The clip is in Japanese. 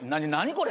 これ。